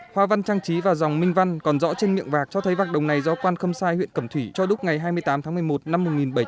hoa văn trang trí và dòng minh văn còn rõ trên miệng vạc cho thấy vạc đồng này do quan khâm sai huyện cẩm thủy cho đúc ngày hai mươi tám tháng một mươi một năm một nghìn bảy trăm bảy